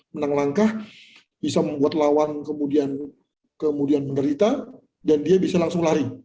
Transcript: menang langkah bisa membuat lawan kemudian menderita dan dia bisa langsung lari